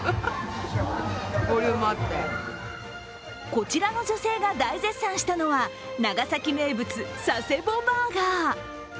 こちらの女性が大絶賛したのは長崎名物、佐世保バーガー。